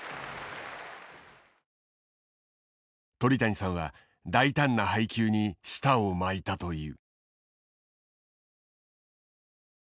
鳥谷さんは大胆な配球に舌を巻いたという。